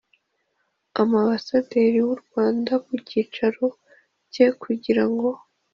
amabasaderi w'u rwanda ku cyicaro cye kugira ngo